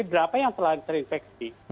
berapa yang telah terinfeksi